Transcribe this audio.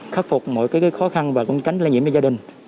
khắc phục mọi khó khăn và cũng tránh lây nhiễm cho gia đình